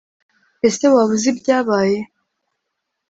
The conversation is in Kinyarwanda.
Ese waba uzi ibyabaye.